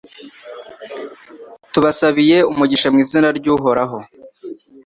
tubasabiye umugisha mu izina ry’Uhoraho